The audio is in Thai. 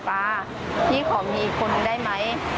ฟ้าพี่ขอมีอีกคนหนึ่งได้ไหม